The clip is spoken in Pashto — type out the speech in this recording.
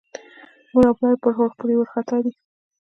مور او پلار یې پرې وارخطا دي.